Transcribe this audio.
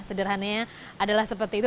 sederhananya adalah seperti itu